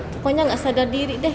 pokoknya nggak sadar diri deh